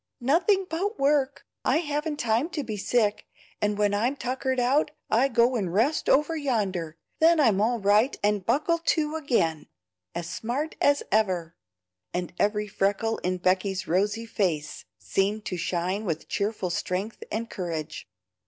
"Nothing but work; I haven't time to be sick, and when I'm tuckered out, I go and rest over yonder. Then I'm all right, and buckle to again, as smart as ever;" and every freckle in Becky's rosy face seemed to shine with cheerful strength and courage.